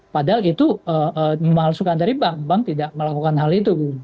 padahal itu masukan dari bank bank tidak melakukan hal itu